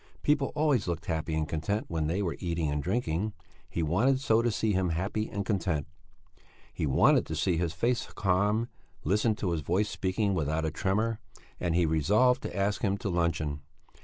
People always looked happy and content when they were eating and drinking; he wanted so see him happy and content. He wanted to see his face calm, listen to his voice speaking without a tremor, and he resolved to ask him to luncheon.